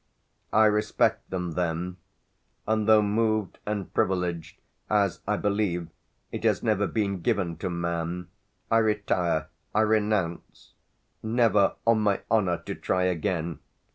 I respect them then, and, though moved and privileged as, I believe, it has never been given to man, I retire, I renounce never, on my honour, to try again.